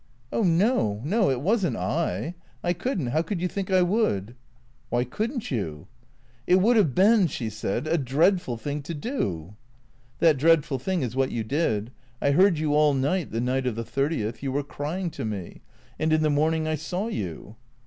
" Oh no, no. It was n't I. I could n't. How could you think I would ?"" Why could n't you ?"" It would have been," she said, " a dreadful thing to do." " That dreadful thing is what you did. I heard you all night — the night of the thirtieth ; you were crying to me. And in the morning I saw you."